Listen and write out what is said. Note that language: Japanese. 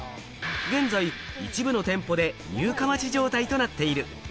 現在、一部の店舗で入荷待ち状態となっている。